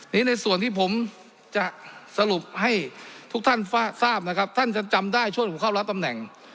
ในส่วนที่ผมจะสรุปให้ทุกท่านทราบนะครับท่านจะจำได้ช่วงผมเข้ารับตำแหน่ง